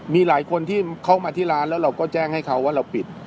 มีหลายคนที่เขามาที่ร้านแล้วเราก็แจ้งให้เขาว่าเราปิด